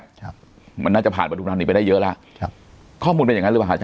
ครับมันน่าจะผ่านปฐุมธานีไปได้เยอะแล้วครับข้อมูลเป็นอย่างงั้นเลยปะฐานี